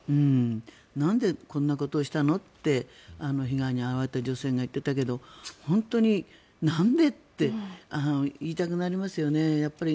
なんでこんなことをしたの？って被害に遭われた女性が言っていたけど本当になんで？って言いたくなりますよね。